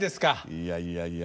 いやいやいや。